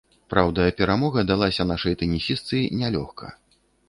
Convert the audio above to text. Праўда, перамога далася нашай тэнісістцы нялёгка.